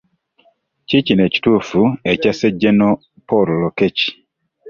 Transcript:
Kiikino ekituufu ekyasse General Paul Lokech.